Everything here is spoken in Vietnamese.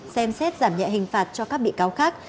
xem xét giảm nhẹ hình phạt cho các bị cáo khác